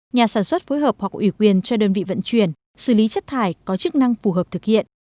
nhà sản xuất phối hợp hoặc ủy quyền cho đơn vị vận chuyển xử lý chất thải có chức năng phù hợp thực hiện